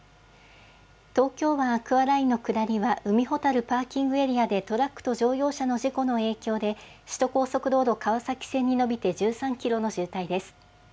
東京湾アクアラインの下りは海ほたるパーキングエリアでトラックと乗用車の事故の影響で、首都高速道路川崎線に延びて１３キロの渋滞です。